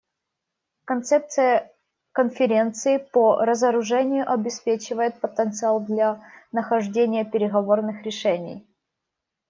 Концепция Конференции по разоружению обеспечивает потенциал для нахождения переговорных решений.